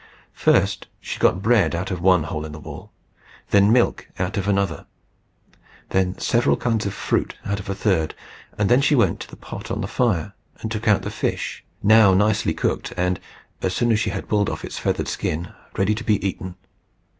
First she got bread out of one hole in the wall; then milk out of another; then several kinds of fruit out of a third; and then she went to the pot on the fire, and took out the fish, now nicely cooked, and, as soon as she had pulled off its feathered skin, ready to be eaten.